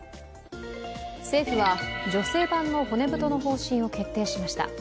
政府は、女性版の骨太の方針を決定しました。